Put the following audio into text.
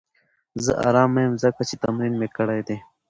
زه ارامه یم ځکه چې تمرین مې کړی دی.